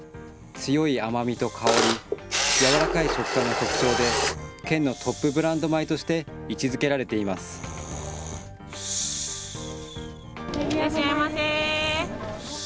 強い甘みと香り、軟らかい食感が特徴で、県のトップブランド米として位置づけられています。